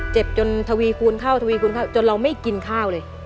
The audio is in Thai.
เจ็บจนทวีคูณคร่าวจนเราไม่กินข้าวเลย